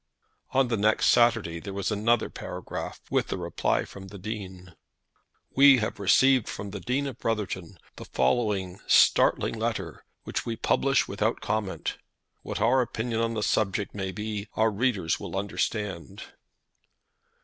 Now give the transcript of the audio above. On the next Saturday there was another paragraph, with a reply from the Dean; "We have received from the Dean of Brotherton the following startling letter, which we publish without comment. What our opinion on the subject may be our readers will understand.